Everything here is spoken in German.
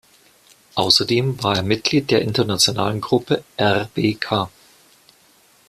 Außerdem war er Mitglied der internationalen Gruppe rbk.